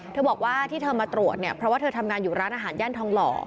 บอกว่าที่เธอมาตรวจเนี่ยเพราะว่าเธอทำงานอยู่ร้านอาหารย่านทองหล่อ